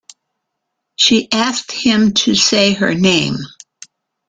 She asks him to "say her name".